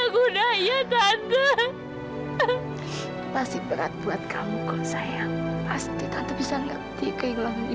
kita semua kehilangan